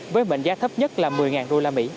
với mệnh giá thấp nhất là một mươi usd